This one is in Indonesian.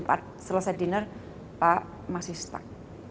pak selesai diner pak masih stuck